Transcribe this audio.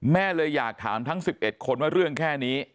แม่เลยอยากถามทั้ง๑๑คนว่าเรื่องแค่นี้